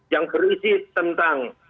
yang berisi tentang